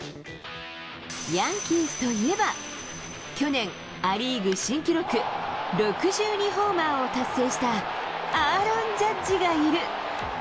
ヤンキースといえば、去年、ア・リーグ新記録６２ホーマーを達成したアーロン・ジャッジがいる。